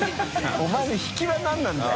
お前の引きは何なんだよ。